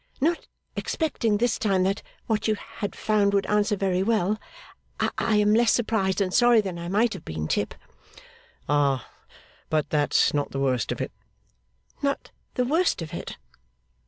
'Not expecting this time that what you had found would answer very well, I am less surprised and sorry than I might have been, Tip.' 'Ah! But that's not the worst of it.' 'Not the worst of it?